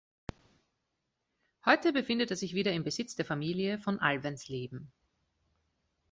Heute befindet er sich wieder im Besitz der Familie von Alvensleben.